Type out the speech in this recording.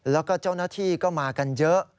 แล้วก็เจ้าหน้าที่ก็มากันเยอะ